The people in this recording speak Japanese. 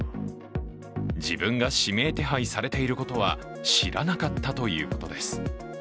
自分が指名手配されていることは知らなかったということです。